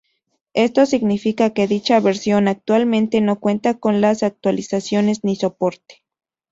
Esto significa que dicha versión actualmente no cuenta con actualizaciones ni soporte.